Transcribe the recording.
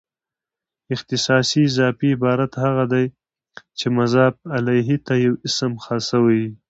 اختصاصي اضافي عبارت هغه دئ، چي مضاف الیه ته یو اسم خاص سوی يي.